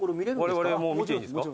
われわれも見ていいんですか？